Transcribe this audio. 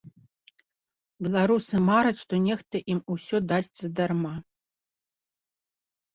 Беларусы мараць, што нехта ім усё дасць задарма.